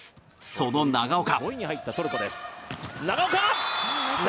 その長岡。